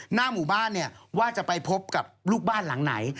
หน้าหมู่บ้านเนี่ยว่าจะไปพบกับลูกบ้านหลังไหน